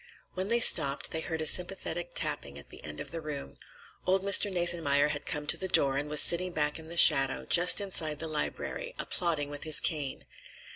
When they stopped, they heard a sympathetic tapping at the end of the room. Old Mr. Nathanmeyer had come to the door and was sitting back in the shadow, just inside the library, applauding with his cane.